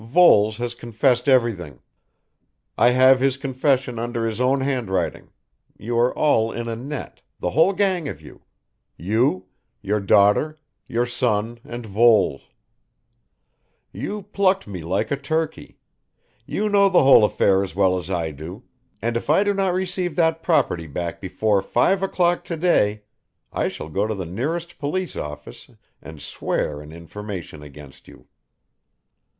Voles has confessed everything. I have his confession under his own handwriting, you are all in a net, the whole gang of you you, your daughter, your son and Voles. You plucked me like a turkey. You know the whole affair as well as I do, and if I do not receive that property back before five o'clock to day, I shall go to the nearest police office and swear an information against you."